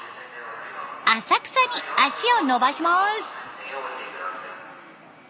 浅草に足を延ばします。